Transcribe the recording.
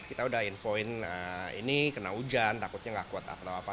kita udah infoin ini kena hujan takutnya nggak kuat atau apa